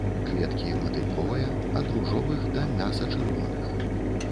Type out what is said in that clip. Кветкі матыльковыя, ад ружовых да мяса-чырвоных.